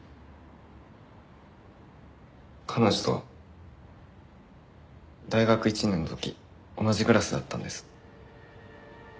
彼女とは大学１年の時同じクラスだったんです。